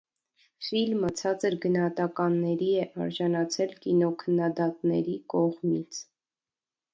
Ֆիլմը ցածր գնահատականների է արժանացել կինոքննադատների կողմից։